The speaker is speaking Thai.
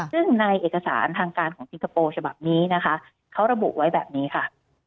ซึ่งในเอกสารทางการของสิงคโปร์ฉบับนี้นะคะเขาระบุไว้แบบนี้ค่ะ